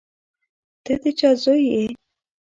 ته د چا زوی یې.